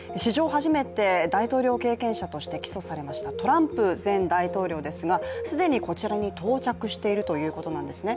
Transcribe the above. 初めて大統領経験者として起訴されましたトランプ前大統領ですが既にこちらに到着しているということなんですね。